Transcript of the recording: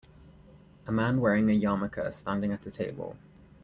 A man wearing a yarmulke standing at a table.